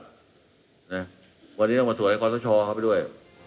วันนี้ต้องสวดให้ความสะชอบเขาด้วย